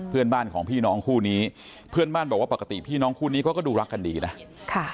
เพื่อนบ้านของพี่น้องคู่นี้เพื่อนบ้านบอกว่าปกติพี่น้องคู่นี้เขาก็ดูรักกันดีนะค่ะ